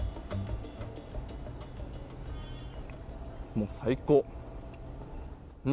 もう最高！